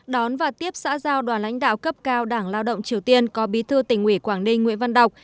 đón và tiếp xã giao đoàn lãnh đạo cấp cao đảng lao động triều tiên có bí thư tỉnh ủy quảng ninh nguyễn văn đọc